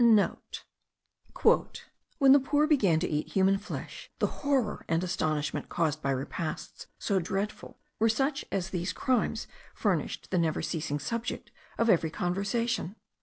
*(* "When the poor began to eat human flesh, the horror and astonishment caused by repasts so dreadful were such that these crimes furnished the never ceasing subject of every conversation.